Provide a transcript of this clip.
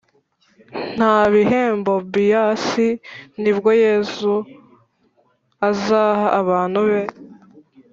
Nta bihembo bias nibyo yesu azaha abantu be